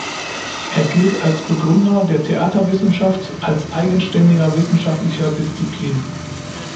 Er gilt als Begründer der Theaterwissenschaft als eigenständiger wissenschaftlicher Disziplin.